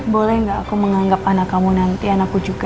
boleh gak aku menganggap anak kamu nanti anakku juga